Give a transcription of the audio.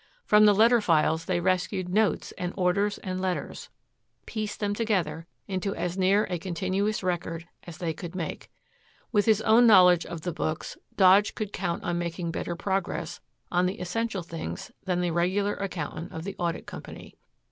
From the letter files they rescued notes and orders and letters, pieced them together into as near a continuous record as they could make. With his own knowledge of the books Dodge could count on making better progress on the essential things than the regular accountant of the audit company.